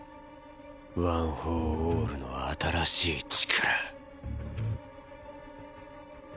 ワン・フォー・オールの新しい力